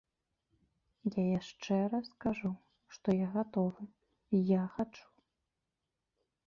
Я яшчэ раз кажу, што я гатовы, я хачу.